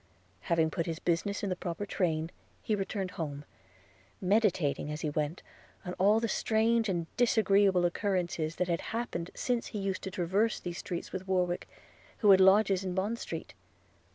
Having put his business in the proper train, he returned home, meditating, as he went, on all the strange and disagreeable occurrences that had happened since he used to traverse these streets with Warwick, who had lodgings in Bond street.